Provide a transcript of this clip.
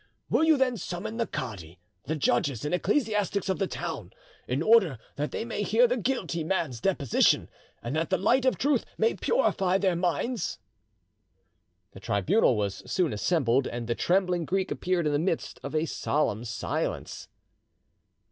Will you then summon the cadi, the judges and ecclesiastics of the town, in order that they may hear the guilty man's deposition, and that the light of truth may purify their minds?" The tribunal was soon assembled, and the trembling Greek appeared in the midst of a solemn silence.